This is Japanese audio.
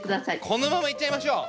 このままいっちゃいましょう。